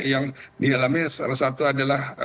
yang di dalamnya salah satu adalah